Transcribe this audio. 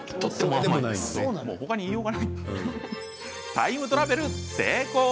タイムトラベル成功！